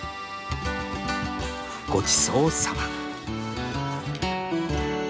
「ごちそうさま」。